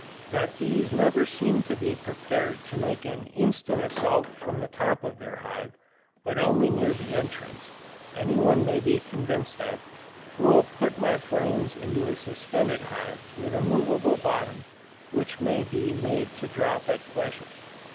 That bees never seem to be prepared to make an instant assault from the top of their hive, but only near the entrance, any one may be convinced of, who will put my frames into a suspended hive with a movable bottom which may be made to drop at pleasure.